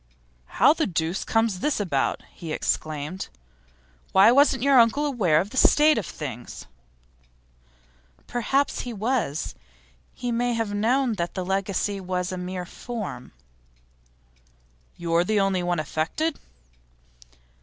'How the deuce comes this about?' he exclaimed. 'Why, wasn't your uncle aware of the state of things?' 'Perhaps he was. He may have known that the legacy was a mere form.' 'You are the only one affected?